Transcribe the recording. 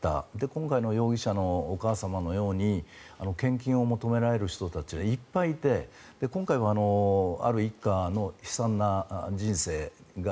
今回の容疑者のお母様のように献金を求められる人たちはいっぱいいて今回はある一家の悲惨な人生が